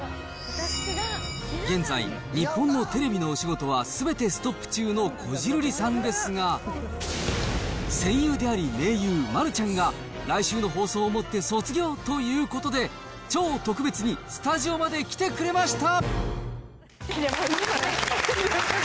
現在、日本のテレビのお仕事はすべてストップ中のこじるりさんですが、戦友であり盟友、丸ちゃんが来週の放送をもって卒業ということで、超特別にスタジオまで来てくれました。